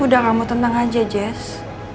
sudah kamu tenang aja jess